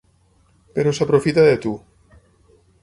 Però s'aprofita de tu.